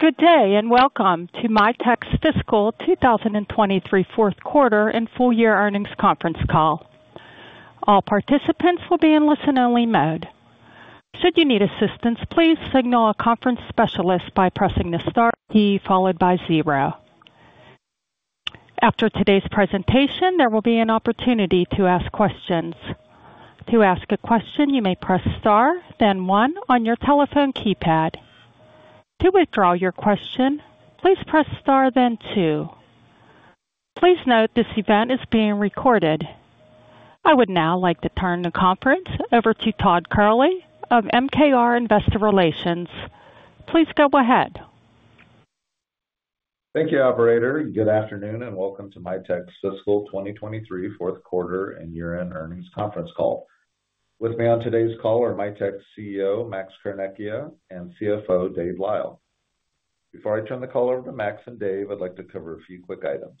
Good day, and welcome to Mitek's Fiscal 2023 Fourth Quarter and Full Year Earnings Conference Call. All participants will be in listen-only mode. Should you need assistance, please signal a conference specialist by pressing the star key followed by zero. After today's presentation, there will be an opportunity to ask questions. To ask a question, you may press star, then one on your telephone keypad. To withdraw your question, please press star, then two. Please note this event is being recorded. I would now like to turn the conference over to Todd Kehrli of MKR Investor Relations. Please go ahead. Thank you, operator. Good afternoon, and welcome to Mitek's Fiscal 2023 Fourth Quarter and Year-End Earnings Conference Call. With me on today's call are Mitek's CEO, Max Carnecchia, and CFO, Dave Lyle. Before I turn the call over to Max and Dave, I'd like to cover a few quick items.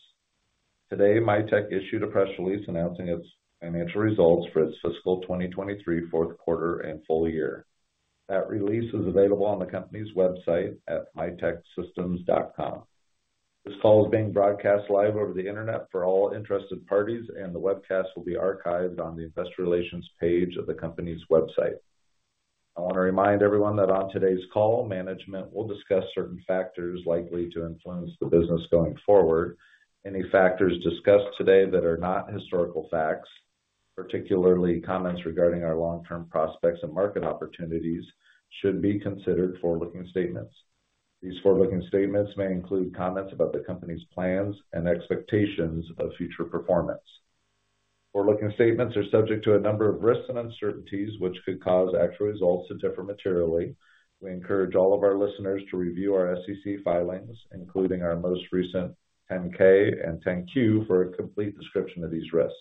Today, Mitek issued a press release announcing its financial results for its fiscal 2023 fourth quarter and full year. That release is available on the company's website at miteksystems.com. This call is being broadcast live over the internet for all interested parties, and the webcast will be archived on the investor relations page of the company's website. I want to remind everyone that on today's call, management will discuss certain factors likely to influence the business going forward. Any factors discussed today that are not historical facts, particularly comments regarding our long-term prospects and market opportunities, should be considered forward-looking statements. These forward-looking statements may include comments about the company's plans and expectations of future performance. Forward-looking statements are subject to a number of risks and uncertainties, which could cause actual results to differ materially. We encourage all of our listeners to review our SEC filings, including our most recent 10-K and 10-Q, for a complete description of these risks.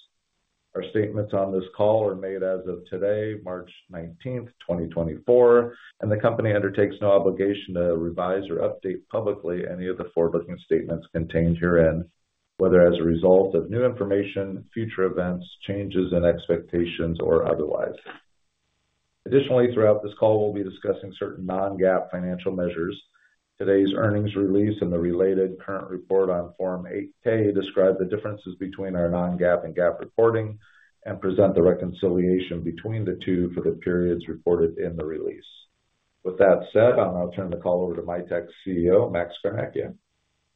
Our statements on this call are made as of today, March 19, 2024, and the company undertakes no obligation to revise or update publicly any of the forward-looking statements contained herein, whether as a result of new information, future events, changes in expectations, or otherwise. Additionally, throughout this call, we'll be discussing certain non-GAAP financial measures. Today's earnings release and the related current report on Form 8-K describe the differences between our non-GAAP and GAAP reporting and present the reconciliation between the two for the periods reported in the release. With that said, I'll now turn the call over to Mitek's CEO, Max Carnecchia.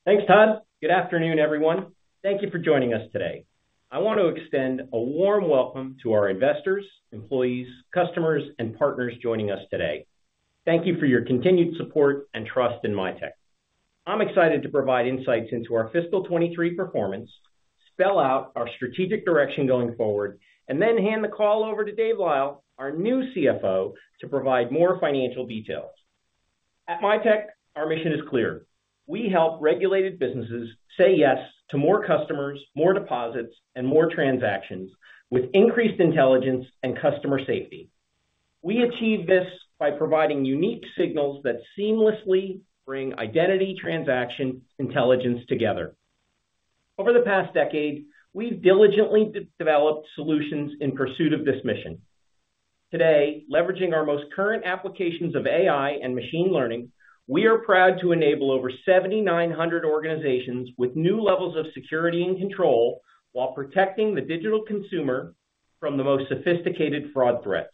Thanks, Todd. Good afternoon, everyone. Thank you for joining us today. I want to extend a warm welcome to our investors, employees, customers, and partners joining us today. Thank you for your continued support and trust in Mitek. I'm excited to provide insights into our fiscal 2023 performance, spell out our strategic direction going forward, and then hand the call over to Dave Lyle, our new CFO, to provide more financial details. At Mitek, our mission is clear: We help regulated businesses say yes to more customers, more deposits, and more transactions with increased intelligence and customer safety. We achieve this by providing unique signals that seamlessly bring identity transaction intelligence together. Over the past decade, we've diligently developed solutions in pursuit of this mission. Today, leveraging our most current applications of AI and machine learning, we are proud to enable over 7,900 organizations with new levels of security and control while protecting the digital consumer from the most sophisticated fraud threats.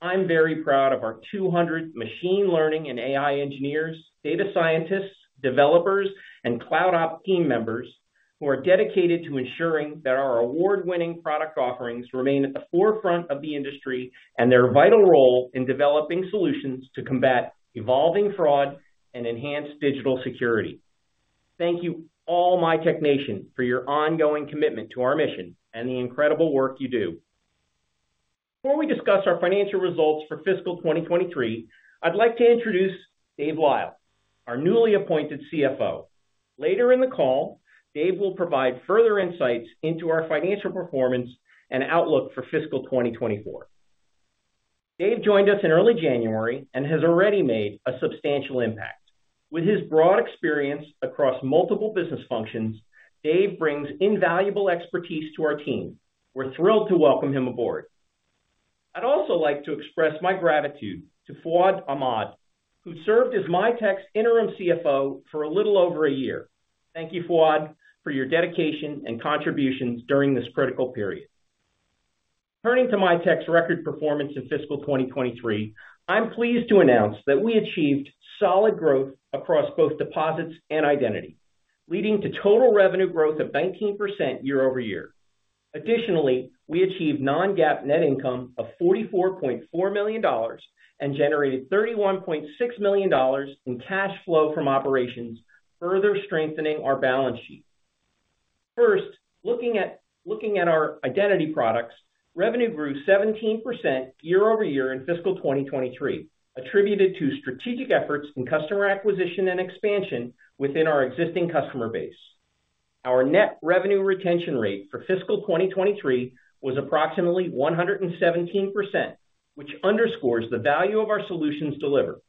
I'm very proud of our 200 machine learning and AI engineers, data scientists, developers, and Cloud Ops team members who are dedicated to ensuring that our award-winning product offerings remain at the forefront of the industry and their vital role in developing solutions to combat evolving fraud and enhance digital security. Thank you all, Mitek Nation, for your ongoing commitment to our mission and the incredible work you do. Before we discuss our financial results for fiscal 2023, I'd like to introduce Dave Lyle, our newly appointed CFO. Later in the call, Dave will provide further insights into our financial performance and outlook for fiscal 2024. Dave joined us in early January and has already made a substantial impact. With his broad experience across multiple business functions, Dave brings invaluable expertise to our team. We're thrilled to welcome him aboard. I'd also like to express my gratitude to Fuad Ahmad, who served as Mitek's interim CFO for a little over a year. Thank you, Fuad, for your dedication and contributions during this critical period. Turning to Mitek's record performance in fiscal 2023, I'm pleased to announce that we achieved solid growth across both deposits and identity, leading to total revenue growth of 19% year-over-year. Additionally, we achieved non-GAAP net income of $44.4 million and generated $31.6 million in cash flow from operations, further strengthening our balance sheet. First, looking at our identity products, revenue grew 17% year-over-year in fiscal 2023, attributed to strategic efforts in customer acquisition and expansion within our existing customer base. Our net revenue retention rate for fiscal 2023 was approximately 117%, which underscores the value of our solutions delivered.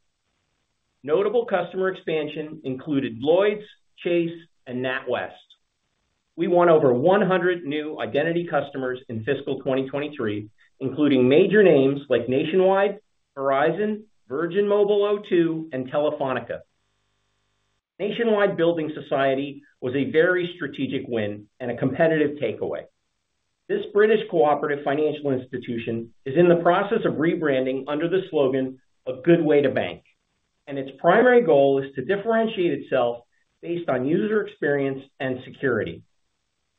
Notable customer expansion included Lloyds, Chase, and NatWest. We won over 100 new identity customers in fiscal 2023, including major names like Nationwide, Verizon, Virgin Media O2, and Telefonica. Nationwide Building Society was a very strategic win and a competitive takeaway. This British cooperative financial institution is in the process of rebranding under the slogan, "A Good Way to Bank," and its primary goal is to differentiate itself based on user experience and security.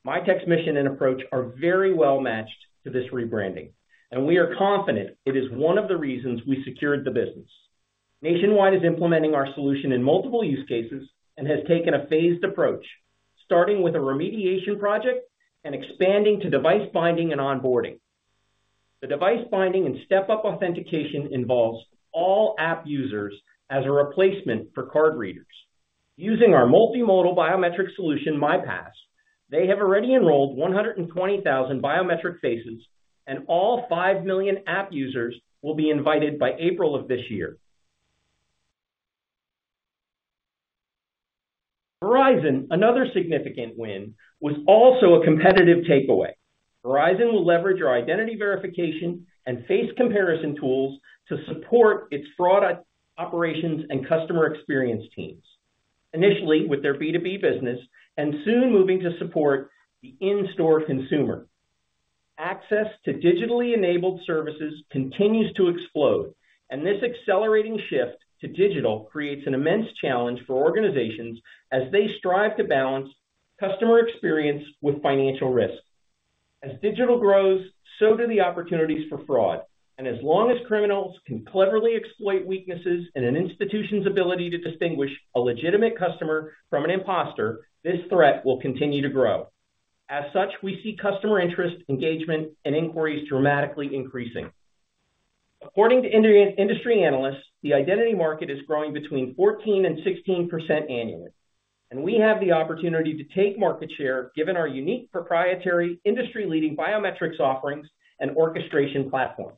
Mitek's mission and approach are very well-matched to this rebranding, and we are confident it is one of the reasons we secured the business. Nationwide is implementing our solution in multiple use cases and has taken a phased approach, starting with a remediation project and expanding to device binding and onboarding. The device binding and step-up authentication involves all app users as a replacement for card readers. Using our multimodal biometric solution, MiPass, they have already enrolled 120,000 biometric faces, and all five million app users will be invited by April of this year. Verizon, another significant win, was also a competitive takeaway. Verizon will leverage our identity verification and face comparison tools to support its fraud, operations, and customer experience teams, initially with their B2B business and soon moving to support the in-store consumer. Access to digitally enabled services continues to explode, and this accelerating shift to digital creates an immense challenge for organizations as they strive to balance customer experience with financial risk. As digital grows, so do the opportunities for fraud, and as long as criminals can cleverly exploit weaknesses in an institution's ability to distinguish a legitimate customer from an imposter, this threat will continue to grow. As such, we see customer interest, engagement, and inquiries dramatically increasing. According to industry analysts, the identity market is growing between 14% and 16% annually, and we have the opportunity to take market share, given our unique, proprietary, industry-leading biometrics offerings and orchestration platform.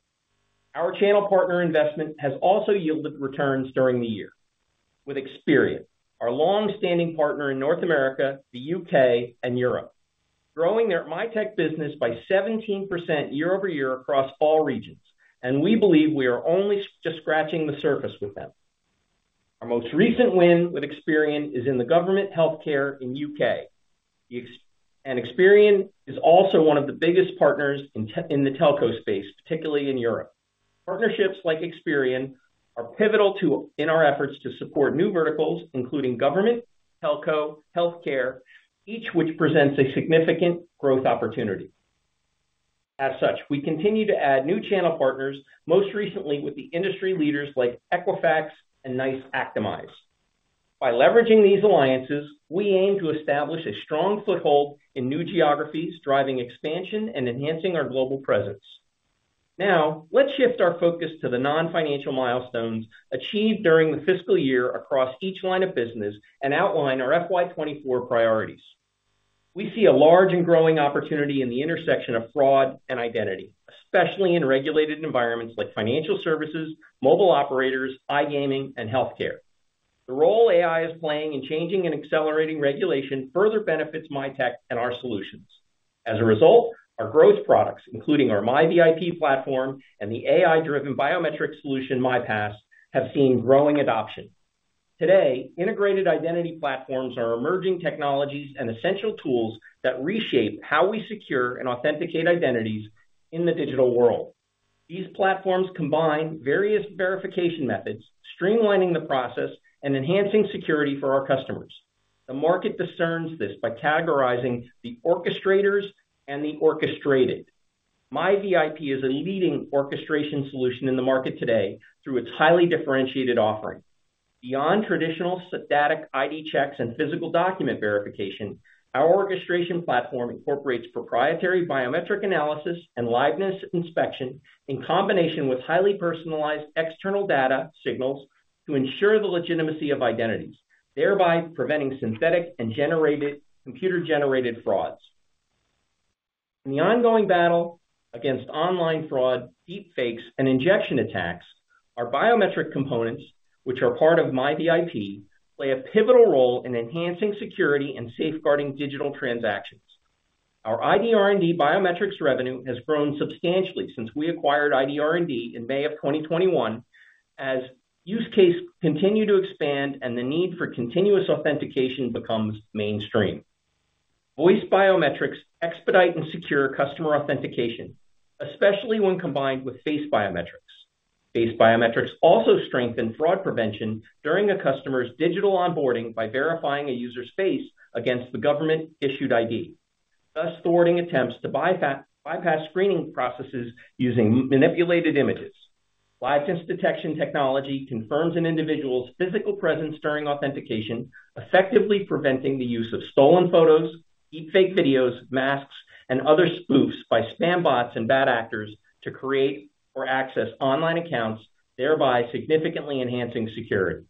Our channel partner investment has also yielded returns during the year with Experian, our long-standing partner in North America, the U.K., and Europe, growing their Mitek business by 17% year-over-year across all regions, and we believe we are only just scratching the surface with them. Our most recent win with Experian is in the government healthcare in U.K. And Experian is also one of the biggest partners in the telco space, particularly in Europe. Partnerships like Experian are pivotal in our efforts to support new verticals, including government, telco, healthcare, each which presents a significant growth opportunity. As such, we continue to add new channel partners, most recently with the industry leaders like Equifax and NICE Actimize. By leveraging these alliances, we aim to establish a strong foothold in new geographies, driving expansion and enhancing our global presence. Now, let's shift our focus to the non-financial milestones achieved during the fiscal year across each line of business and outline our FY 2024 priorities. We see a large and growing opportunity in the intersection of fraud and identity, especially in regulated environments like financial services, mobile operators, iGaming, and healthcare. The role AI is playing in changing and accelerating regulation further benefits Mitek and our solutions. As a result, our growth products, including our MiVIP platform and the AI-driven biometric solution, MiPass, have seen growing adoption. Today, integrated identity platforms are emerging technologies and essential tools that reshape how we secure and authenticate identities in the digital world. These platforms combine various verification methods, streamlining the process and enhancing security for our customers. The market discerns this by categorizing the orchestrators and the orchestrated. MiVIP is a leading orchestration solution in the market today through its highly differentiated offering. Beyond traditional static ID checks and physical document verification, our orchestration platform incorporates proprietary biometric analysis and liveness inspection in combination with highly personalized external data signals to ensure the legitimacy of identities, thereby preventing synthetic and computer-generated frauds. In the ongoing battle against online fraud, deepfakes, and injection attacks, our biometric components, which are part of MiVIP, play a pivotal role in enhancing security and safeguarding digital transactions. Our ID R&D biometrics revenue has grown substantially since we acquired ID R&D in May of 2021 as use cases continue to expand and the need for continuous authentication becomes mainstream. Voice biometrics expedite and secure customer authentication, especially when combined with face biometrics. Face biometrics also strengthen fraud prevention during a customer's digital onboarding by verifying a user's face against the government-issued ID, thus thwarting attempts to bypass screening processes using manipulated images. Liveness detection technology confirms an individual's physical presence during authentication, effectively preventing the use of stolen photos, deepfake videos, masks, and other spoofs by spambots and bad actors to create or access online accounts, thereby significantly enhancing security.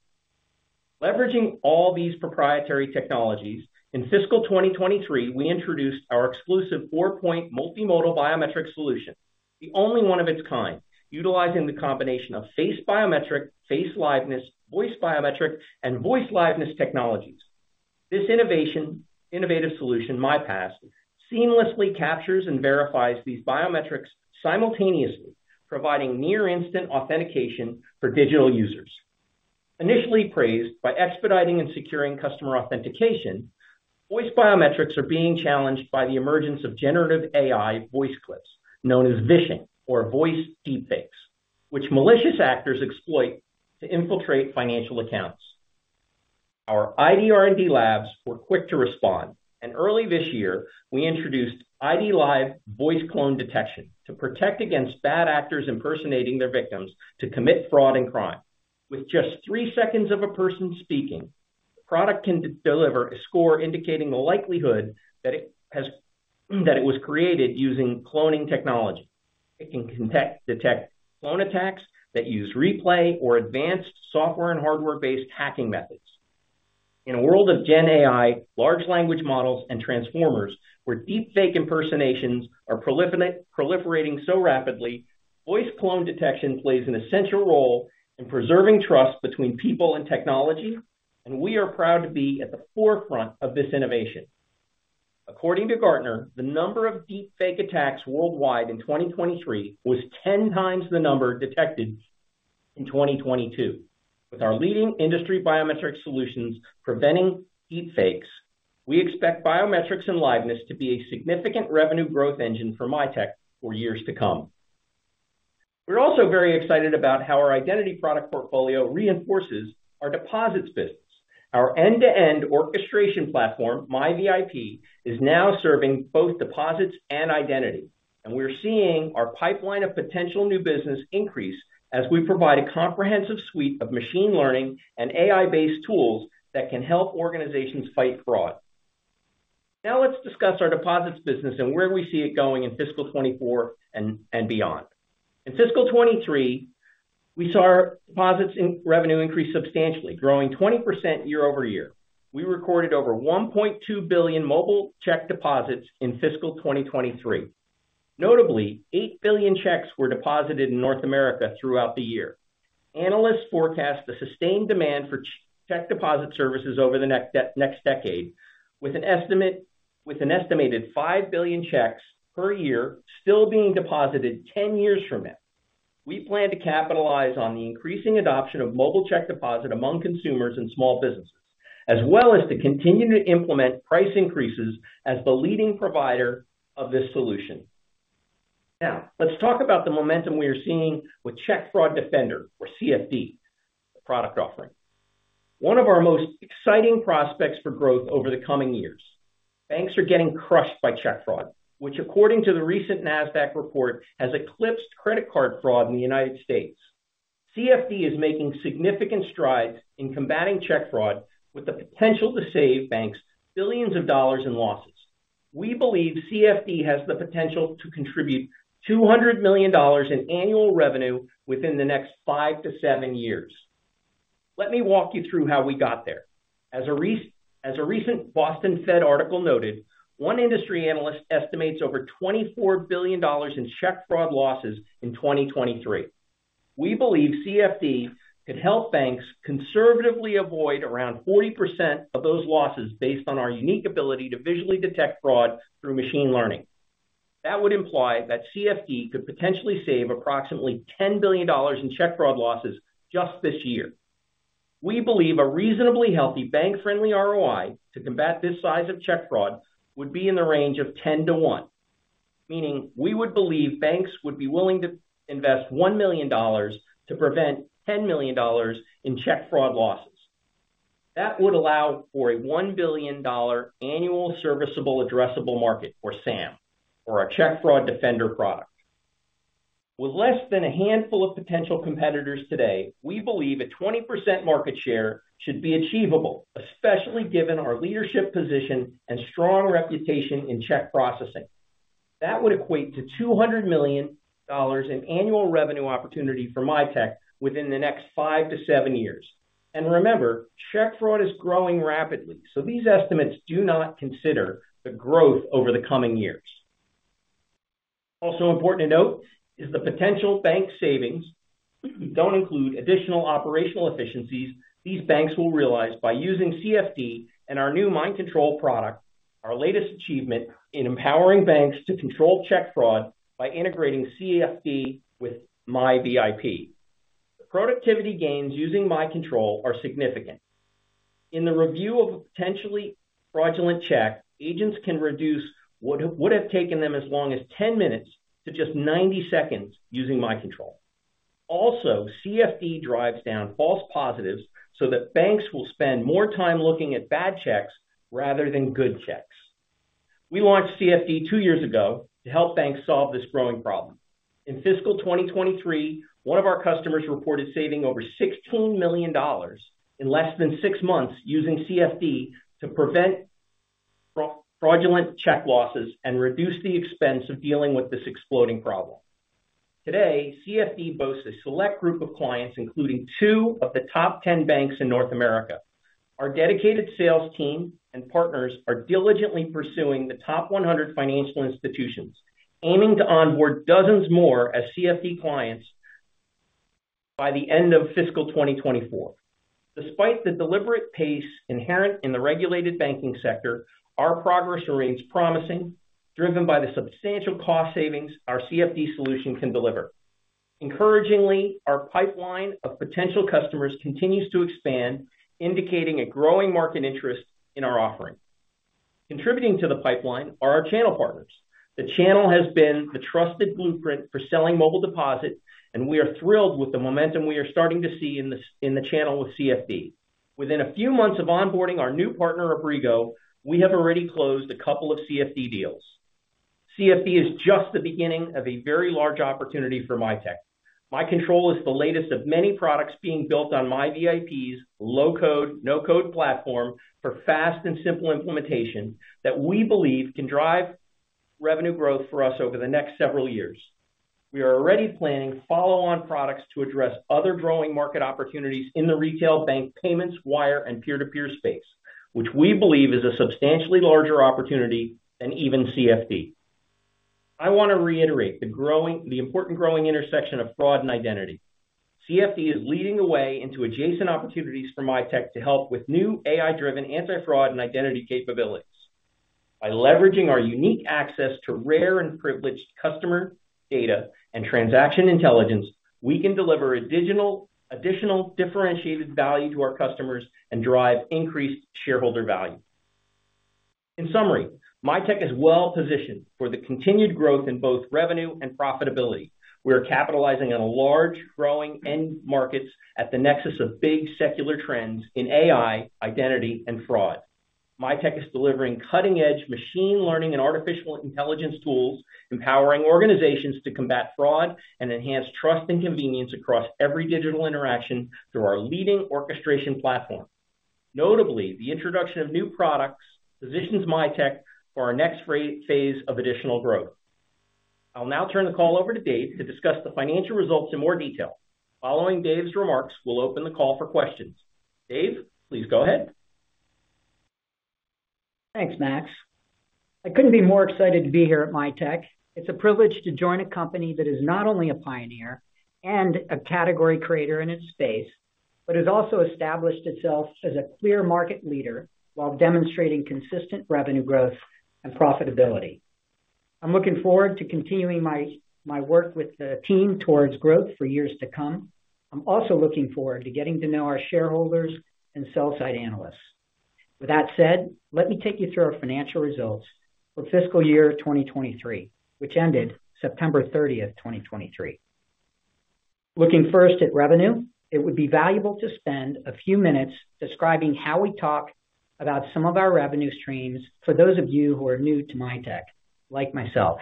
Leveraging all these proprietary technologies, in fiscal 2023, we introduced our exclusive four-point multimodal biometric solution. The only one of its kind, utilizing the combination of face biometric, face liveness, voice biometric, and voice liveness technologies. This innovative solution, MiPass, seamlessly captures and verifies these biometrics simultaneously, providing near instant authentication for digital users. Initially praised by expediting and securing customer authentication, voice biometrics are being challenged by the emergence of generative AI voice clips, known as vishing or voice deepfakes, which malicious actors exploit to infiltrate financial accounts. Our ID R&D labs were quick to respond, and early this year, we introduced IDLive voice clone detection to protect against bad actors impersonating their victims to commit fraud and crime. With just three seconds of a person speaking, the product can deliver a score indicating the likelihood that it has, that it was created using cloning technology. It can detect clone attacks that use replay or advanced software and hardware-based hacking methods. In a world of Gen AI, large language models, and transformers, where deepfake impersonations are proliferating so rapidly, voice clone detection plays an essential role in preserving trust between people and technology, and we are proud to be at the forefront of this innovation. According to Gartner, the number of deepfake attacks worldwide in 2023 was 10x the number detected in 2022. With our leading industry biometric solutions preventing deepfakes, we expect biometrics and liveness to be a significant revenue growth engine for Mitek for years to come. We're also very excited about how our identity product portfolio reinforces our deposits business. Our end-to-end orchestration platform, MiVIP, is now serving both deposits and identity. And we're seeing our pipeline of potential new business increase as we provide a comprehensive suite of machine learning and AI-based tools that can help organizations fight fraud. Now let's discuss our deposits business and where we see it going in fiscal 2024 and beyond. In fiscal 2023, we saw our deposits in revenue increase substantially, growing 20% year-over-year. We recorded over 1.2 billion mobile check deposits in fiscal 2023. Notably, eight billion checks were deposited in North America throughout the year. Analysts forecast a sustained demand for check deposit services over the next decade, with an estimated five billion checks per year still being deposited 10 years from now. We plan to capitalize on the increasing adoption of mobile check deposit among consumers and small businesses, as well as to continue to implement price increases as the leading provider of this solution. Now, let's talk about the momentum we are seeing with Check Fraud Defender, or CFD, product offering. One of our most exciting prospects for growth over the coming years. Banks are getting crushed by check fraud, which according to the recent Nasdaq report, has eclipsed credit card fraud in the United States. CFD is making significant strides in combating check fraud with the potential to save banks $ billions in losses. We believe CFD has the potential to contribute $200 million in annual revenue within the next five to seven years. Let me walk you through how we got there. As a recent Boston Fed article noted, one industry analyst estimates over $24 billion in check fraud losses in 2023. We believe CFD could help banks conservatively avoid around 40% of those losses based on our unique ability to visually detect fraud through machine learning. That would imply that CFD could potentially save approximately $10 billion in check fraud losses just this year. We believe a reasonably healthy, bank-friendly ROI to combat this size of check fraud would be in the range of 10to one, meaning we would believe banks would be willing to invest $1 million to prevent $10 million in check fraud losses. That would allow for a $1 billion annual serviceable addressable market, or SAM, for our Check Fraud Defender product. With less than a handful of potential competitors today, we believe a 20% market share should be achievable, especially given our leadership position and strong reputation in check processing. That would equate to $200 million in annual revenue opportunity for Mitek within the next five to seven years. And remember, check fraud is growing rapidly, so these estimates do not consider the growth over the coming years. Also important to note is the potential bank savings don't include additional operational efficiencies these banks will realize by using CFD and our new MiControl product, our latest achievement in empowering banks to control check fraud by integrating CFD with MiVIP. The productivity gains using MiControl are significant. In the review of a potentially fraudulent check, agents can reduce what would have taken them as long as 10 minutes to just 90 seconds using MiControl. Also, CFD drives down false positives so that banks will spend more time looking at bad checks rather than good checks. We launched CFD two years ago to help banks solve this growing problem. In fiscal 2023, one of our customers reported saving over $16 million in less than six months, using CFD to prevent fraudulent check losses and reduce the expense of dealing with this exploding problem. Today, CFD boasts a select group of clients, including two of the top 10 banks in North America. Our dedicated sales team and partners are diligently pursuing the top 100 financial institutions, aiming to onboard dozens more as CFD clients by the end of fiscal 2024. Despite the deliberate pace inherent in the regulated banking sector, our progress remains promising, driven by the substantial cost savings our CFD solution can deliver. Encouragingly, our pipeline of potential customers continues to expand, indicating a growing market interest in our offering. Contributing to the pipeline are our channel partners. The channel has been the trusted blueprint for selling mobile deposit, and we are thrilled with the momentum we are starting to see in the channel with CFD. Within a few months of onboarding our new partner, Abrigo, we have already closed a couple of CFD deals. CFD is just the beginning of a very large opportunity for Mitek. MiControl is the latest of many products being built on MiVIP's low code, no code platform for fast and simple implementation that we believe can drive revenue growth for us over the next several years. We are already planning follow-on products to address other growing market opportunities in the retail bank payments, wire, and peer-to-peer space, which we believe is a substantially larger opportunity than even CFD. I want to reiterate the important growing intersection of fraud and identity. CFD is leading the way into adjacent opportunities for Mitek to help with new AI-driven anti-fraud and identity capabilities. By leveraging our unique access to rare and privileged customer data and transaction intelligence, we can deliver additional differentiated value to our customers and drive increased shareholder value. In summary, Mitek is well positioned for the continued growth in both revenue and profitability. We are capitalizing on a large, growing end markets at the nexus of big secular trends in AI, identity, and fraud. Mitek is delivering cutting-edge machine learning and artificial intelligence tools, empowering organizations to combat fraud and enhance trust and convenience across every digital interaction through our leading orchestration platform. Notably, the introduction of new products positions Mitek for our next phase of additional growth. I'll now turn the call over to Dave to discuss the financial results in more detail. Following Dave's remarks, we'll open the call for questions. Dave, please go ahead. Thanks, Max. I couldn't be more excited to be here at Mitek. It's a privilege to join a company that is not only a pioneer and a category creator in its space, but has also established itself as a clear market leader while demonstrating consistent revenue growth and profitability. I'm looking forward to continuing my, my work with the team towards growth for years to come. I'm also looking forward to getting to know our shareholders and sell-side analysts. With that said, let me take you through our financial results for fiscal year 2023, which ended September 30, 2023. Looking first at revenue, it would be valuable to spend a few minutes describing how we talk about some of our revenue streams for those of you who are new to Mitek, like myself.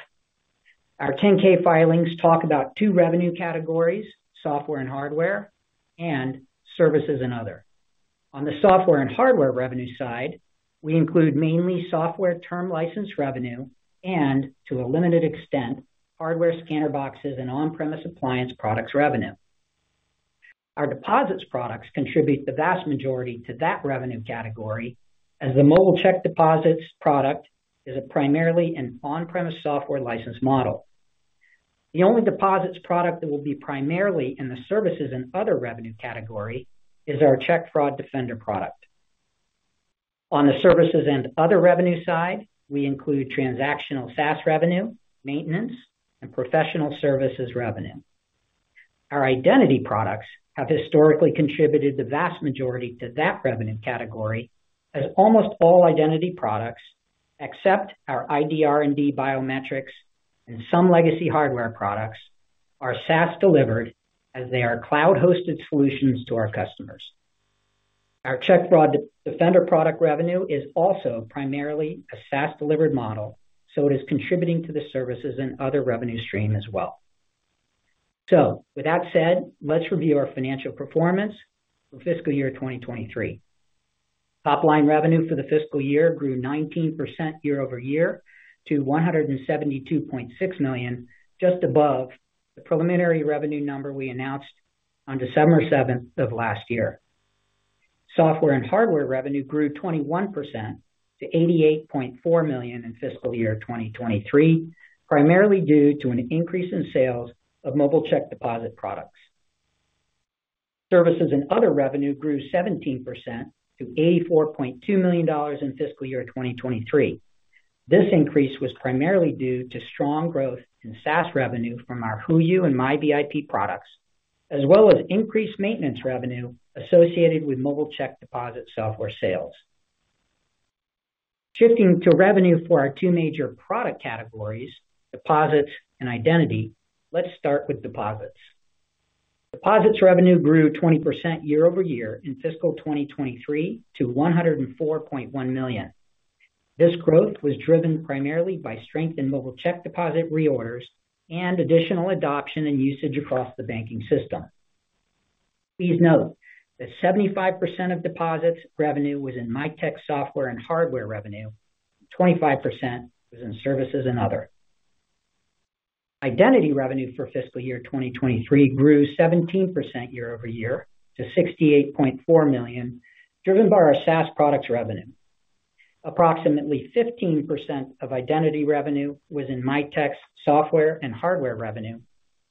Our 10-K filings talk about two revenue categories: software and hardware, and services and other. On the software and hardware revenue side, we include mainly software term license revenue and to a limited extent, hardware scanner boxes and on-premise appliance products revenue. Our deposits products contribute the vast majority to that revenue category, as the mobile check deposits product is primarily an on-premise software license model. The only deposits product that will be primarily in the services and other revenue category is our Check Fraud Defender product. On the services and other revenue side, we include transactional SaaS revenue, maintenance, and professional services revenue. Our identity products have historically contributed the vast majority to that revenue category, as almost all identity products, except our ID R&D biometrics and some legacy hardware products, are SaaS delivered as they are cloud-hosted solutions to our customers. Our Check Fraud Defender product revenue is also primarily a SaaS-delivered model, so it is contributing to the services and other revenue stream as well. So with that said, let's review our financial performance for fiscal year 2023. Top line revenue for the fiscal year grew 19% year over year to $172.6 million, just above the preliminary revenue number we announced on December 7 of last year. Software and hardware revenue grew 21% to $88.4 million in fiscal year 2023, primarily due to an increase in sales of mobile check deposit products. Services and other revenue grew 17% to $84.2 million in fiscal year 2023. This increase was primarily due to strong growth in SaaS revenue from our HooYu and MiVIP products, as well as increased maintenance revenue associated with mobile check deposit software sales. Shifting to revenue for our two major product categories, deposits and identity, let's start with deposits. Deposits revenue grew 20% year-over-year in fiscal 2023 to $104.1 million. This growth was driven primarily by strength in mobile check deposit reorders and additional adoption and usage across the banking system. Please note that 75% of deposits revenue was in Mitek software and hardware revenue, 25% was in services and other. Identity revenue for fiscal year 2023 grew 17% year-over-year to $68.4 million, driven by our SaaS products revenue. Approximately 15% of identity revenue was in Mitek's software and hardware revenue,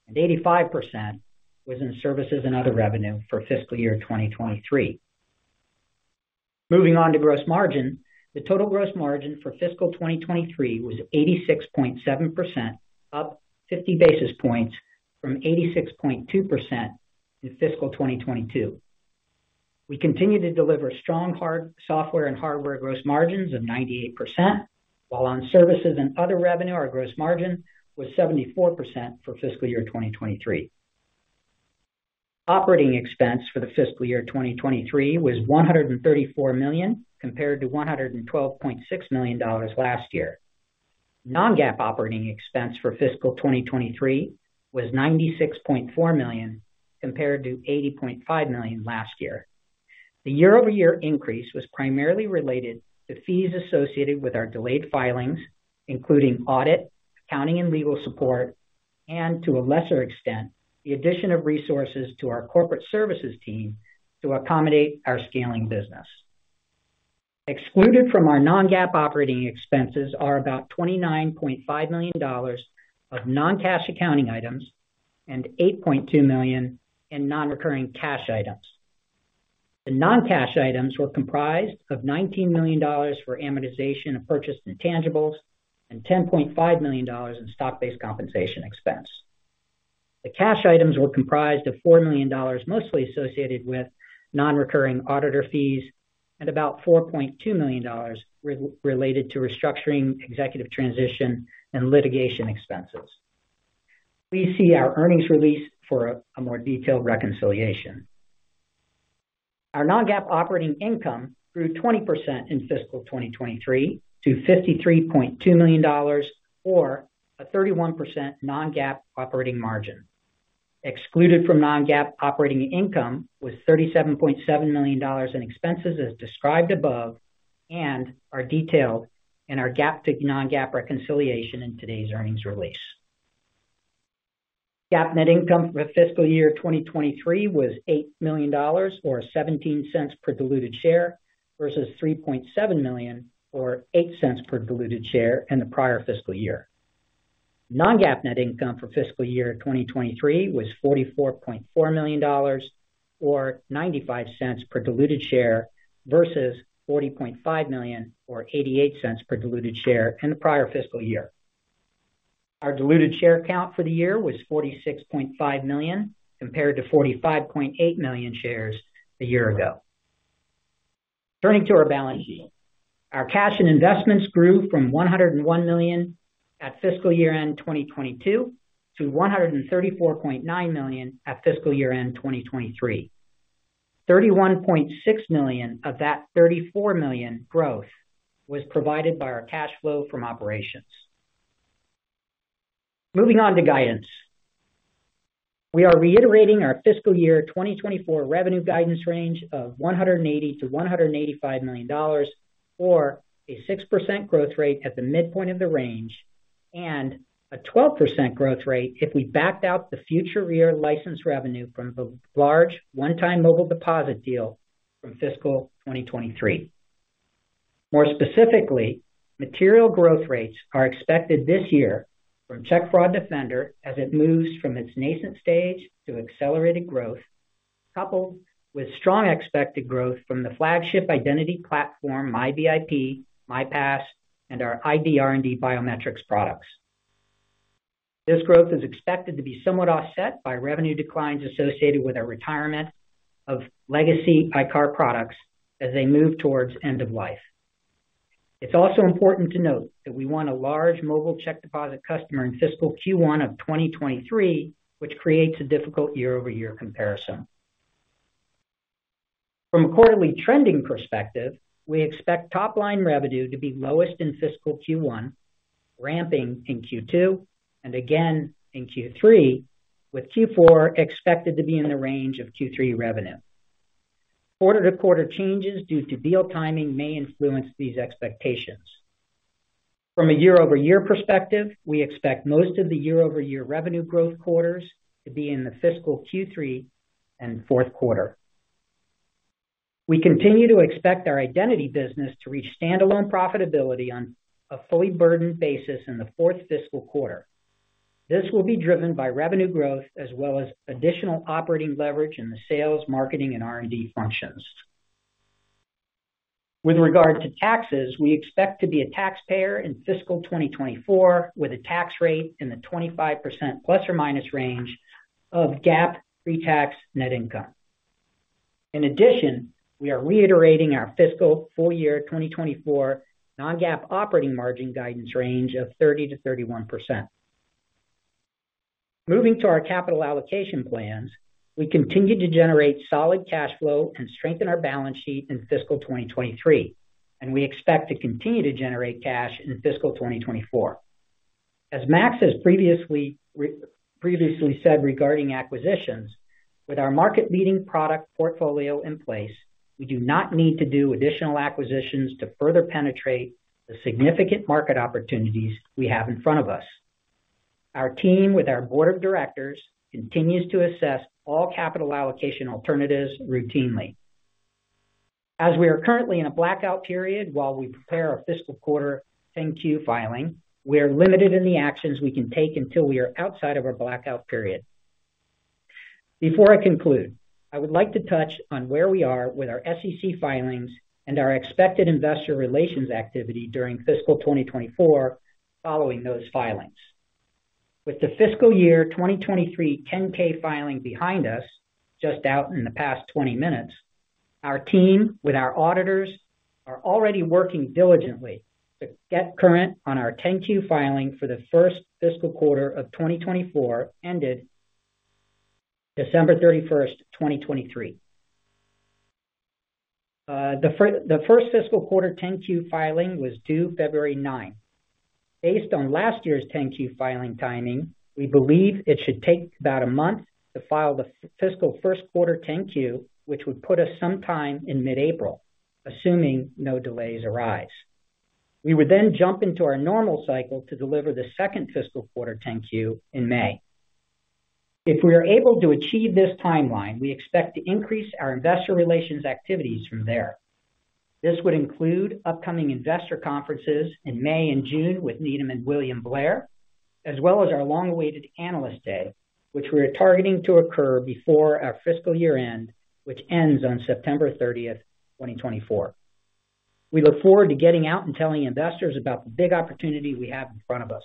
and 85% was in services and other revenue for fiscal year 2023. Moving on to gross margin. The total gross margin for fiscal 2023 was 86.7%, up 50 basis points from 86.2% in fiscal 2022. We continue to deliver strong software and hardware gross margins of 98%, while on services and other revenue, our gross margin was 74% for fiscal year 2023. Operating expense for the fiscal year 2023 was $134 million, compared to $112.6 million last year. Non-GAAP operating expense for fiscal 2023 was $96.4 million, compared to $80.5 million last year. The year-over-year increase was primarily related to fees associated with our delayed filings, including audit, accounting, and legal support, and to a lesser extent, the addition of resources to our corporate services team to accommodate our scaling business. Excluded from our non-GAAP operating expenses are about $29.5 million of non-cash accounting items and $8.2 million in non-recurring cash items. The non-cash items were comprised of $19 million for amortization of purchased intangibles and $10.5 million in stock-based compensation expense. The cash items were comprised of $4 million, mostly associated with non-recurring auditor fees, and about $4.2 million re-related to restructuring, executive transition, and litigation expenses. Please see our earnings release for a more detailed reconciliation. Our non-GAAP operating income grew 20% in fiscal 2023 to $53.2 million or a 31% non-GAAP operating margin. Excluded from non-GAAP operating income was $37.7 million in expenses, as described above, and are detailed in our GAAP to non-GAAP reconciliation in today's earnings release. GAAP net income for fiscal year 2023 was $8 million, or $0.17 per diluted share, versus $3.7 million, or $0.08 per diluted share in the prior fiscal year. Non-GAAP net income for fiscal year 2023 was $44.4 million or $0.95 per diluted share, versus $40.5 million or $0.88 per diluted share in the prior fiscal year. Our diluted share count for the year was 46.5 million, compared to 45.8 million shares a year ago. Turning to our balance sheet. Our cash and investments grew from $101 million at fiscal year-end 2022 to $134.9 million at fiscal year-end 2023. $31.6 million of that $34 million growth was provided by our cash flow from operations. Moving on to guidance. We are reiterating our fiscal year 2024 revenue guidance range of $180-$185 million, or a 6% growth rate at the midpoint of the range, and a 12% growth rate if we backed out the future year license revenue from the large one-time mobile deposit deal from fiscal 2023. More specifically, material growth rates are expected this year from Check Fraud Defender as it moves from its nascent stage to accelerated growth, coupled with strong expected growth from the flagship identity platform, MiVIP, MiPass and our ID R&D biometrics products. This growth is expected to be somewhat offset by revenue declines associated with our retirement of legacy ICAR products as they move towards end of life. It's also important to note that we want a large mobile check deposit customer in fiscal Q1 of 2023, which creates a difficult year-over-year comparison. From a quarterly trending perspective, we expect top-line revenue to be lowest in fiscal Q1, ramping in Q2 and again in Q3, with Q4 expected to be in the range of Q3 revenue. Quarter-to-quarter changes due to deal timing may influence these expectations. From a year-over-year perspective, we expect most of the year-over-year revenue growth quarters to be in the fiscal Q3 and fourth quarter. We continue to expect our identity business to reach standalone profitability on a fully burdened basis in the fourth fiscal quarter. This will be driven by revenue growth as well as additional operating leverage in the sales, marketing, and R&D functions. With regard to taxes, we expect to be a taxpayer in fiscal 2024, with a tax rate in the 25% ± range of GAAP pre-tax net income. In addition, we are reiterating our fiscal full year 2024 non-GAAP operating margin guidance range of 30%-31%. Moving to our capital allocation plans, we continue to generate solid cash flow and strengthen our balance sheet in fiscal 2023, and we expect to continue to generate cash in fiscal 2024. As Max has previously said regarding acquisitions, with our market-leading product portfolio in place, we do not need to do additional acquisitions to further penetrate the significant market opportunities we have in front of us. Our team, with our board of directors, continues to assess all capital allocation alternatives routinely. As we are currently in a blackout period while we prepare our fiscal 10-Q filing, we are limited in the actions we can take until we are outside of our blackout period. Before I conclude, I would like to touch on where we are with our SEC filings and our expected investor relations activity during fiscal 2024 following those filings. With the fiscal year 2023 10-K filing behind us, just out in the past 20 minutes, our team, with our auditors, are already working diligently to get current on our 10-Q filing for the first fiscal quarter of 2024, ended December 31, 2023. The first fiscal quarter 10-Q filing was due February 9. Based on last year's 10-Q filing timing, we believe it should take about a month to file the fiscal first quarter 10-Q, which would put us sometime in mid-April, assuming no delays arise. We would then jump into our normal cycle to deliver the second fiscal quarter 10-Q in May. If we are able to achieve this timeline, we expect to increase our investor relations activities from there. This would include upcoming investor conferences in May and June with Needham and William Blair, as well as our long-awaited Analyst Day, which we are targeting to occur before our fiscal year-end, which ends on September 30, 2024. We look forward to getting out and telling investors about the big opportunity we have in front of us.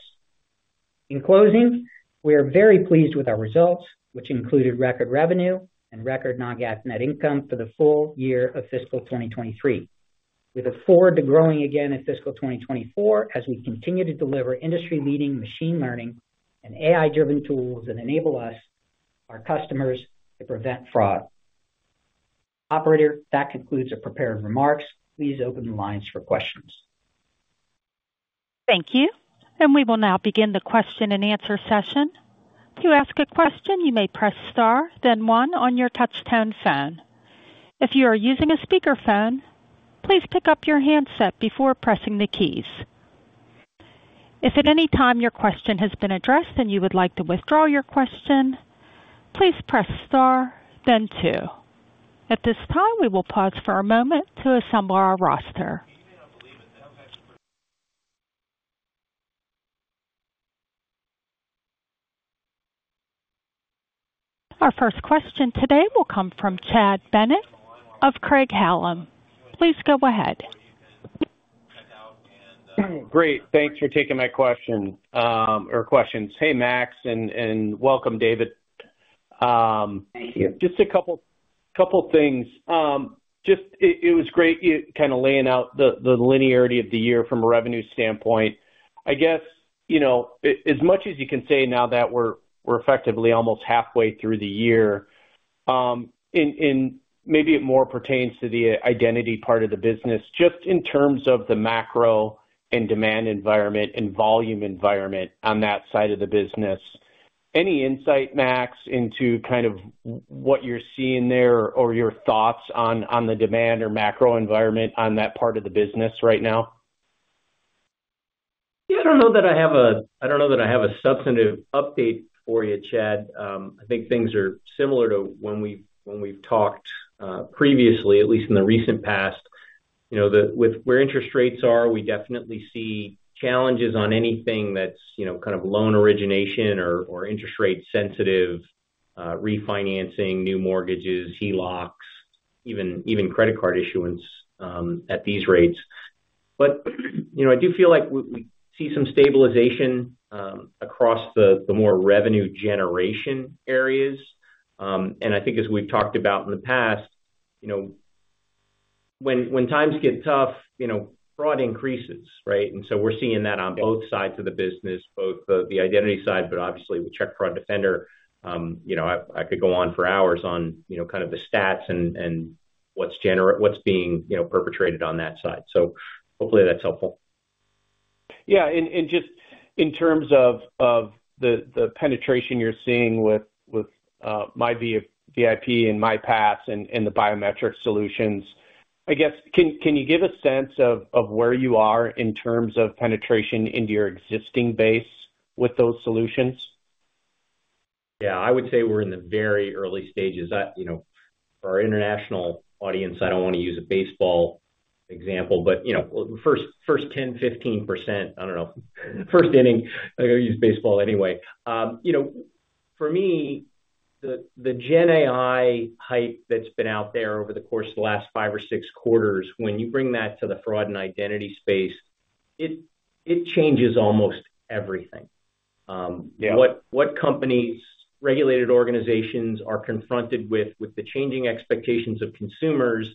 In closing, we are very pleased with our results, which included record revenue and record non-GAAP net income for the full year of fiscal 2023. We look forward to growing again in fiscal 2024 as we continue to deliver industry-leading machine learning and AI-driven tools that enable us, our customers, to prevent fraud. Operator, that concludes the prepared remarks. Please open the lines for questions. Thank you, and we will now begin the question-and-answer session. To ask a question, you may press star, then one on your touchtone phone. If you are using a speakerphone, please pick up your handset before pressing the keys. If at any time your question has been addressed and you would like to withdraw your question, please press star, then two. At this time, we will pause for a moment to assemble our roster. You may not believe it now, Max, but- Our first question today will come from Chad Bennett of Craig-Hallum. Please go ahead. Great. Thanks for taking my question, or questions. Hey, Max, and welcome, David. Thank you. Just a couple things. It was great, you kind of laying out the linearity of the year from a revenue standpoint. I guess, you know, as much as you can say now that we're effectively almost halfway through the year, and maybe it more pertains to the identity part of the business, just in terms of the macro and demand environment and volume environment on that side of the business. Any insight, Max, into kind of what you're seeing there or your thoughts on the demand or macro environment on that part of the business right now? Yeah, I don't know that I have a... I don't know that I have a substantive update for you, Chad. I think things are similar to when we, when we've talked, previously, at least in the recent past. You know, with where interest rates are, we definitely see challenges on anything that's, you know, kind of loan origination or, or interest rate sensitive, refinancing, new mortgages, HELOCs, even, even credit card issuance, at these rates. But, you know, I do feel like we, we see some stabilization, across the, the more revenue generation areas. And I think as we've talked about in the past, you know, when, when times get tough, you know, fraud increases, right? So we're seeing that on both sides of the business, both the identity side, but obviously with Check Fraud Defender, you know, I could go on for hours on, you know, kind of the stats and what's being, you know, perpetrated on that side. So hopefully that's helpful. Yeah, and just in terms of the penetration you're seeing with MiVIP and MiPass and the biometric solutions, I guess, can you give a sense of where you are in terms of penetration into your existing base with those solutions? Yeah, I would say we're in the very early stages. I, you know, for our international audience, I don't want to use a baseball example, but, you know, well, the first, first 10, 15%, I don't know, first inning, I'm going to use baseball anyway. You know, for me, the, the Gen AI hype that's been out there over the course of the last 5 or 6 quarters, when you bring that to the fraud and identity space, it, it changes almost everything. Yeah. What companies, regulated organizations are confronted with, with the changing expectations of consumers,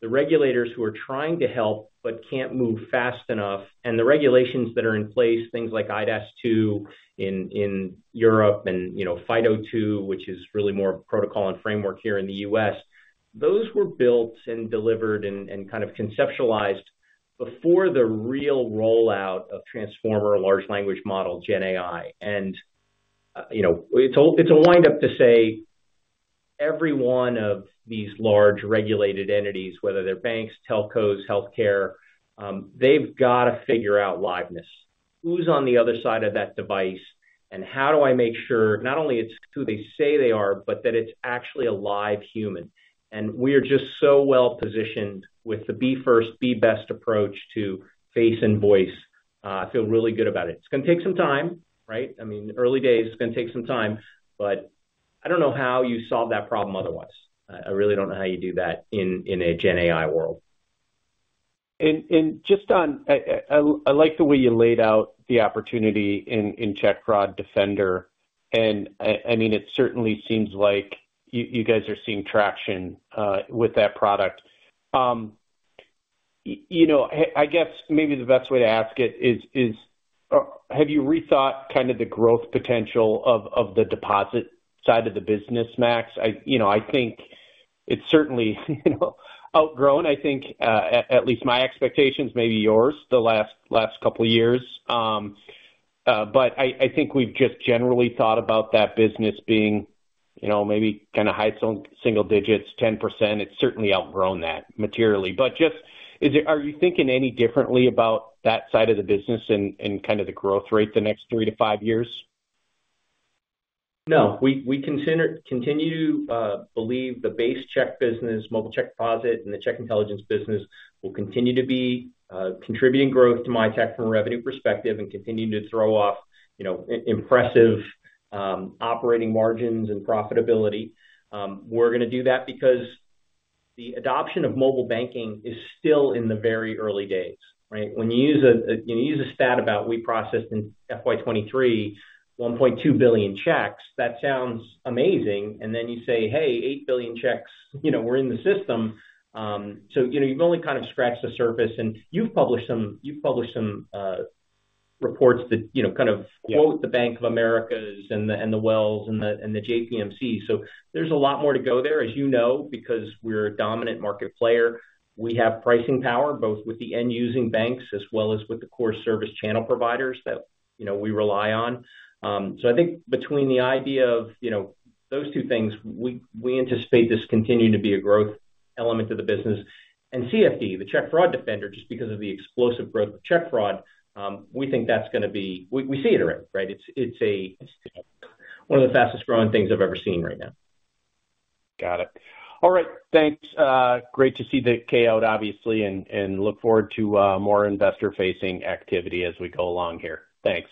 the regulators who are trying to help but can't move fast enough, and the regulations that are in place, things like eIDAS 2.0 in Europe, and, you know, FIDO2, which is really more protocol and framework here in the US, those were built and delivered and kind of conceptualized- before the real rollout of transformer large language model Gen AI. And, you know, it's a wind-up to say every one of these large regulated entities, whether they're banks, telcos, healthcare, they've got to figure out liveness. Who's on the other side of that device, and how do I make sure not only it's who they say they are, but that it's actually a live human? And we are just so well positioned with the be first, be best approach to face and voice. I feel really good about it. It's gonna take some time, right? I mean, early days, it's gonna take some time, but I don't know how you solve that problem otherwise. I really don't know how you do that in a Gen AI world. I like the way you laid out the opportunity in Check Fraud Defender, and I mean, it certainly seems like you guys are seeing traction with that product. You know, I guess maybe the best way to ask it is, have you rethought kind of the growth potential of the deposit side of the business, Max? You know, I think it's certainly you know, outgrown, I think, at least my expectations, maybe yours, the last couple of years. But I think we've just generally thought about that business being, you know, maybe kinda high single digits, 10%. It's certainly outgrown that materially. But just, is it? Are you thinking any differently about that side of the business and, and kind of the growth rate the next three to five years? No. We continue to believe the base check business, mobile check deposit, and the check intelligence business will continue to be contributing growth to Mitek from a revenue perspective and continuing to throw off, you know, impressive operating margins and profitability. We're gonna do that because the adoption of mobile banking is still in the very early days, right? When you use a stat about we processed in FY 2023 1.2 billion checks, that sounds amazing. And then you say, "Hey, eight billion checks, you know, were in the system." So, you know, you've only kind of scratched the surface, and you've published some reports that, you know, kind of- Yeah... quote the Bank of America and the Wells and the JPMC. So there's a lot more to go there, as you know, because we're a dominant market player. We have pricing power, both with the end-using banks as well as with the core service channel providers that, you know, we rely on. So I think between the idea of, you know, those two things, we, we anticipate this continuing to be a growth element of the business. And CFD, the Check Fraud Defender, just because of the explosive growth of check fraud, we think that's gonna be... We, we see it around, right? It's, it's a, one of the fastest-growing things I've ever seen right now. Got it. All right, thanks. Great to see the K out, obviously, and look forward to more investor-facing activity as we go along here. Thanks.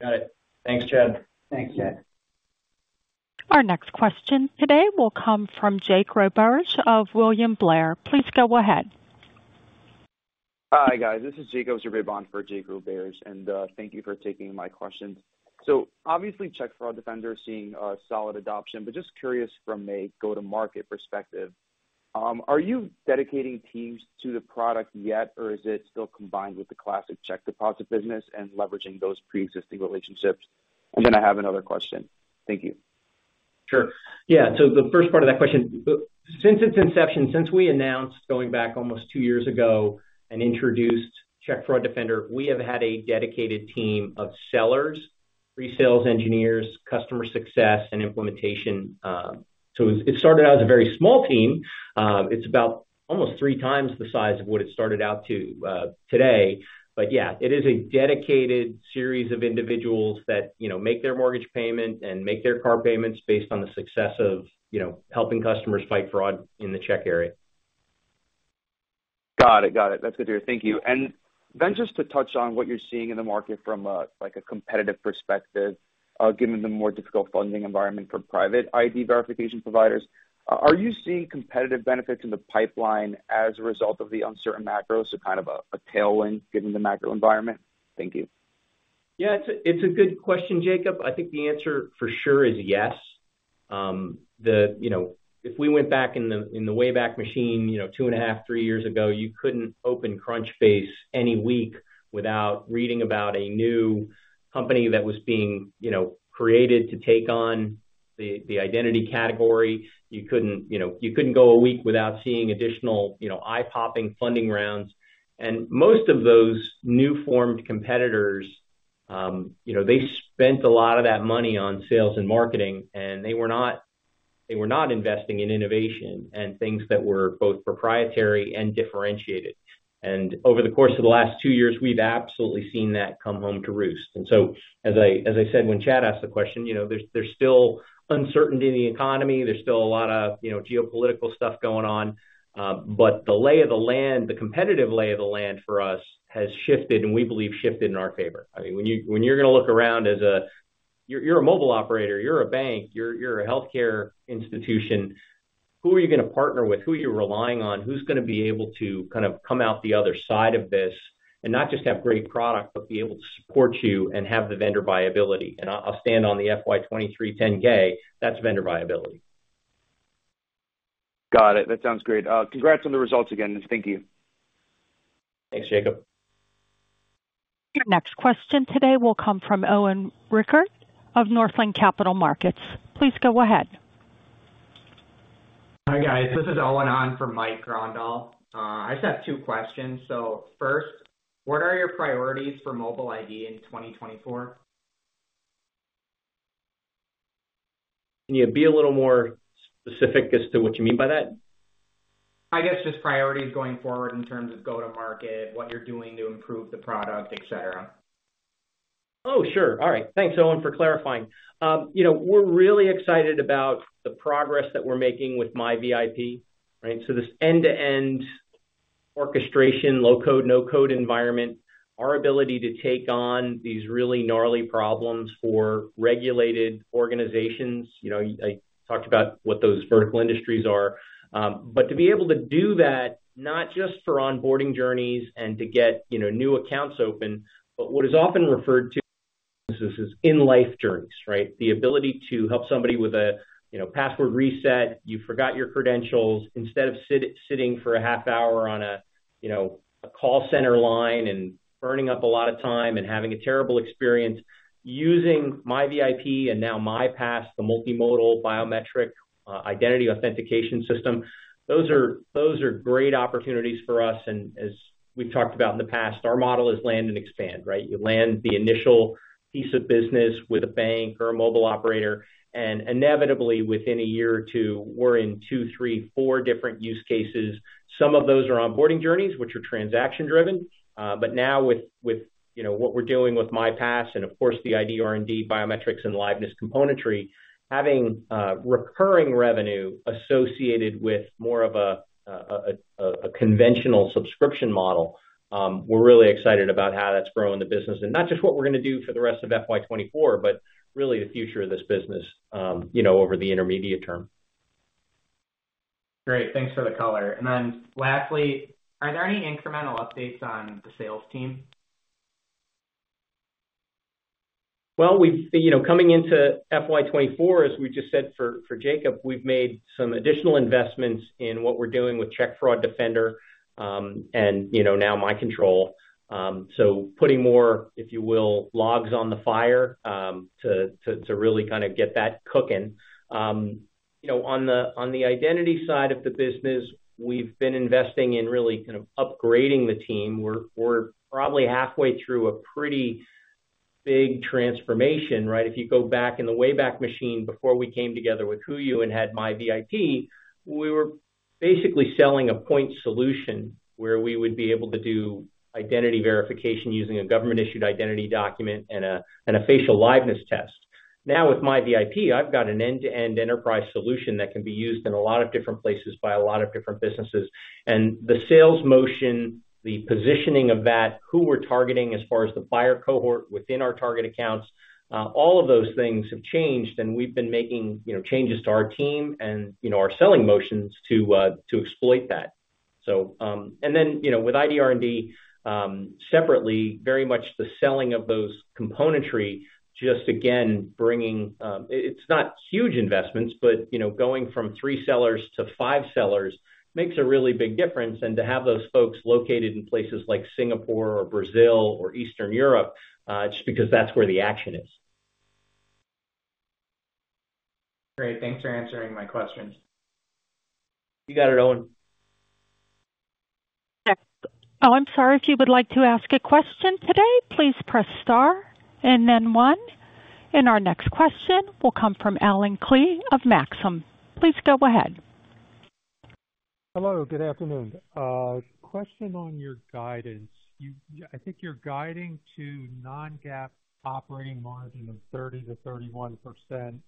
Got it. Thanks, Chad. Thanks, Chad. Our next question today will come from Jake Roberge of William Blair. Please go ahead. Hi, guys. This is Jake Roberge for Jake Roberge, and thank you for taking my question. So obviously, Check Fraud Defender is seeing a solid adoption, but just curious from a go-to-market perspective, are you dedicating teams to the product yet, or is it still combined with the classic check deposit business and leveraging those pre-existing relationships? And then I have another question. Thank you. Sure. Yeah, so the first part of that question, since its inception, since we announced going back almost two years ago and introduced Check Fraud Defender, we have had a dedicated team of sellers, resales engineers, customer success, and implementation. So it started out as a very small team. It's about almost three times the size of what it started out to today. But yeah, it is a dedicated series of individuals that, you know, make their mortgage payment and make their car payments based on the success of, you know, helping customers fight fraud in the check area. Got it. Got it. That's good to hear. Thank you. And then just to touch on what you're seeing in the market from a, like, competitive perspective, given the more difficult funding environment for private ID verification providers, are you seeing competitive benefits in the pipeline as a result of the uncertain macro? So kind of a tailwind given the macro environment. Thank you. Yeah, it's a, it's a good question, Jake. I think the answer for sure is yes. You know, if we went back in the, in the way back machine, you know, two and a half to three years ago, you couldn't open Crunchbase any week without reading about a new company that was being, you know, created to take on the, the identity category. You couldn't, you know, you couldn't go a week without seeing additional, you know, eye-popping funding rounds. And most of those new formed competitors, you know, they spent a lot of that money on sales and marketing, and they were not, they were not investing in innovation and things that were both proprietary and differentiated. And over the course of the last two years, we've absolutely seen that come home to roost. And so, as I said, when Chad asked the question, you know, there's still uncertainty in the economy, there's still a lot of, you know, geopolitical stuff going on, but the lay of the land, the competitive lay of the land for us has shifted, and we believe shifted in our favor. I mean, when you're gonna look around as a-- you're a mobile operator, you're a bank, you're a healthcare institution. Who are you gonna partner with? Who are you relying on? Who's gonna be able to kind of come out the other side of this and not just have great product, but be able to support you and have the vendor viability? And I'll stand on the FY 2023 10-K. That's vendor viability. Got it. That sounds great. Congrats on the results again, and thank you. Thanks, Jacob.... Your next question today will come from Owen Rickert of Northland Capital Markets. Please go ahead. Hi, guys. This is Owen on for Mike Grondahl. I just have two questions. So first, what are your priorities for mobile ID in 2024? Can you be a little more specific as to what you mean by that? I guess just priorities going forward in terms of go-to-market, what you're doing to improve the product, et cetera. Oh, sure. All right. Thanks, Owen, for clarifying. You know, we're really excited about the progress that we're making with MiVIP, right? So this end-to-end orchestration, low-code, no-code environment, our ability to take on these really gnarly problems for regulated organizations, you know, I talked about what those vertical industries are. But to be able to do that, not just for onboarding journeys and to get, you know, new accounts open, but what is often referred to as in-life journeys, right? The ability to help somebody with a, you know, password reset. You forgot your credentials. Instead of sitting for a half hour on a, you know, a call center line and burning up a lot of time and having a terrible experience using MiVIP and now MiPass, the multimodal biometric identity authentication system, those are, those are great opportunities for us, and as we've talked about in the past, our model is land and expand, right? You land the initial piece of business with a bank or a mobile operator, and inevitably, within a year or two, we're in two, three, four different use cases. Some of those are onboarding journeys, which are transaction-driven. But now with, you know, what we're doing with MyPass and of course, the ID R&D biometrics and liveness componentry, having recurring revenue associated with more of a conventional subscription model, we're really excited about how that's growing the business and not just what we're gonna do for the rest of FY 2024, but really the future of this business, you know, over the intermediate term. Great. Thanks for the color. Then lastly, are there any incremental updates on the sales team? Well, you know, coming into FY 2024, as we just said, for Jacob, we've made some additional investments in what we're doing with Check Fraud Defender, and, you know, now MiControl. So putting more, if you will, logs on the fire, to really kind of get that cooking. You know, on the identity side of the business, we've been investing in really kind of upgrading the team. We're probably halfway through a pretty big transformation, right? If you go back in the way back machine, before we came together with HooYu and had MiVIP, we were basically selling a point solution where we would be able to do identity verification using a government-issued identity document and a facial liveness test. Now, with MiVIP, I've got an end-to-end enterprise solution that can be used in a lot of different places by a lot of different businesses. And the sales motion, the positioning of that, who we're targeting as far as the buyer cohort within our target accounts, all of those things have changed, and we've been making, you know, changes to our team and, you know, our selling motions to to exploit that. So, and then, you know, with ID R&D, separately, very much the selling of those componentry, just again, bringing... It's not huge investments, but, you know, going from three sellers to five sellers makes a really big difference. And to have those folks located in places like Singapore or Brazil or Eastern Europe, just because that's where the action is. Great. Thanks for answering my questions. You got it, Owen. Oh, I'm sorry. If you would like to ask a question today, please press star and then one. And our next question will come from Allen Klee of Maxim. Please go ahead. Hello, good afternoon. Question on your guidance. You—I think you're guiding to non-GAAP operating margin of 30%-31%.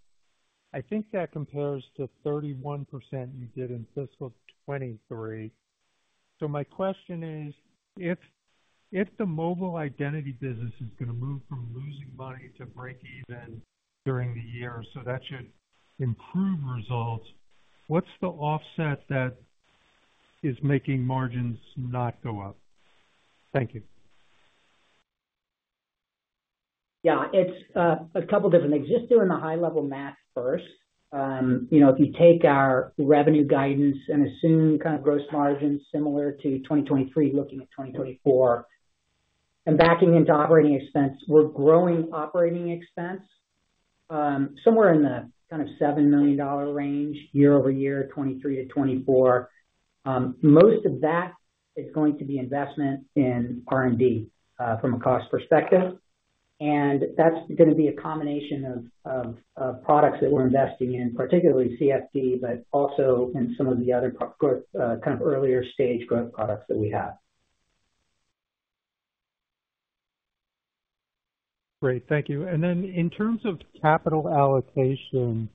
I think that compares to 31% you did in fiscal 2023. So my question is: if the mobile identity business is gonna move from losing money to break even during the year, so that should improve results, what's the offset that is making margins not go up? Thank you. Yeah, it's a couple different. Just doing the high level math first, you know, if you take our revenue guidance and assume kind of gross margin similar to 2023 looking at 2024, and backing into operating expense, we're growing operating expense somewhere in the kind of $7 million range, year-over-year, 2023-2024. Most of that is going to be investment in R&D from a cost perspective, and that's gonna be a combination of products that we're investing in, particularly CFD, but also in some of the other kind of earlier stage growth products that we have. Great. Thank you. And then in terms of capital allocation,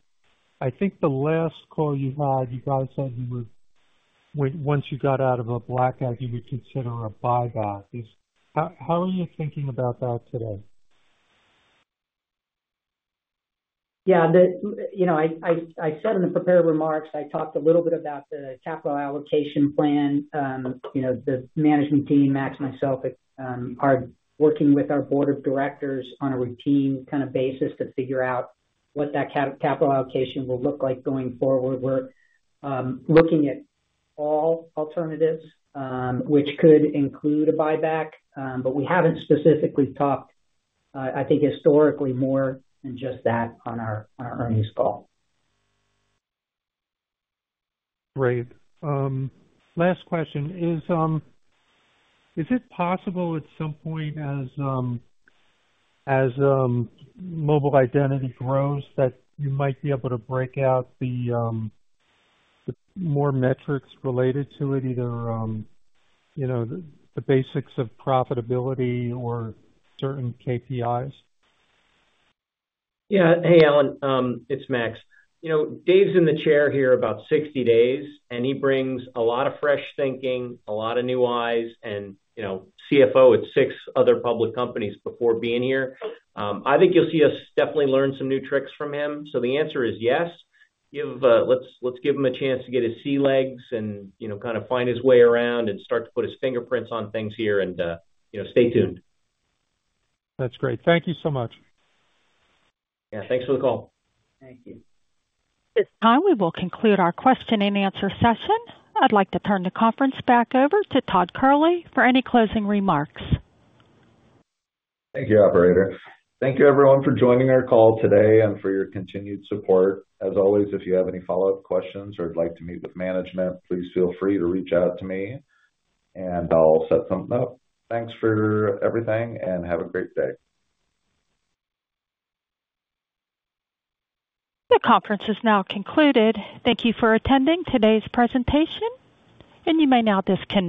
I think the last call you had, you guys said you would once you got out of a blackout, you would consider a buyback. How are you thinking about that today? Yeah, you know, I said in the prepared remarks, I talked a little bit about the capital allocation plan. You know, the management team, Max, myself, are working with our board of directors on a routine kind of basis to figure out what that capital allocation will look like going forward. We're looking at all alternatives, which could include a buyback. But we haven't specifically talked, I think historically, more than just that on our earnings call. Great. Last question, is it possible at some point as mobile identity grows, that you might be able to break out the more metrics related to it, either you know, the basics of profitability or certain KPIs? Yeah. Hey, Alan, it's Max. You know, Dave's in the chair here about 60 days, and he brings a lot of fresh thinking, a lot of new eyes and, you know, CFO at six other public companies before being here. I think you'll see us definitely learn some new tricks from him. So the answer is yes. Give, let's, let's give him a chance to get his sea legs and, you know, kind of find his way around and start to put his fingerprints on things here and, you know, stay tuned. That's great. Thank you so much. Yeah, thanks for the call. Thank you. At this time, we will conclude our question and answer session. I'd like to turn the conference back over to Todd Kehrli for any closing remarks. Thank you, operator. Thank you, everyone, for joining our call today and for your continued support. As always, if you have any follow-up questions or would like to meet with management, please feel free to reach out to me and I'll set something up. Thanks for everything and have a great day. The conference is now concluded. Thank you for attending today's presentation, and you may now disconnect.